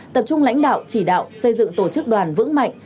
tập trung lãnh đạo chỉ đạo xây dựng tổ chức đoàn vững mạnh